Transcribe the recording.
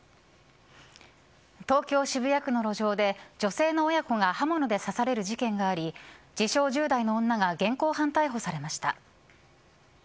東京、渋谷区の路上で女性の親子が刃物で刺される事件があり自称１０代の女が現行犯逮捕されました。